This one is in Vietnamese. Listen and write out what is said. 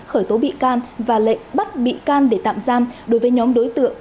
khởi tố bị can và lệnh bắt bị can để tạm giam đối với nhóm đối tượng